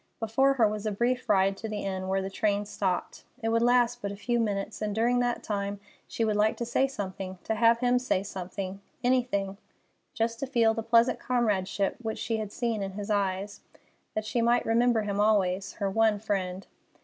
Before her was a brief ride to the inn where the train stopped. It would last but a few minutes, and during that time she would like to say something, to have him say something, anything, just to feel the pleasant comradeship which she had seen in his eyes, that she might remember him always, her one friend.